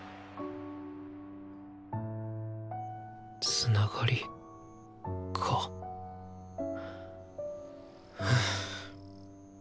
つながりかふう。